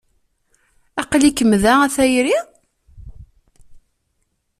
Aql-ikem da a tayri?